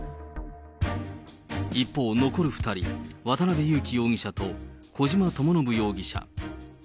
一方、残る２人、渡辺優樹容疑者と小島智信容疑者。